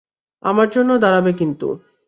আমার জন্য দাঁড়াবে কিন্তু।